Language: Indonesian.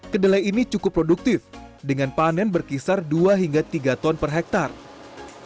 kedelai ini cukup produktif dengan panen berkisar dua hingga tiga ton per hektare